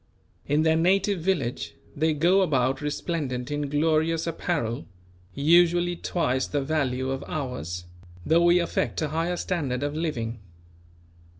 In their native village they go about resplendent in glorious apparel, usually twice the value of ours; though we affect a higher standard of living.